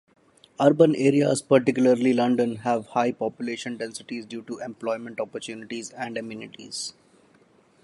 Urban areas, particularly London, have high population densities due to employment opportunities and amenities.